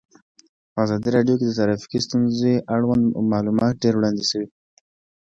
په ازادي راډیو کې د ټرافیکي ستونزې اړوند معلومات ډېر وړاندې شوي.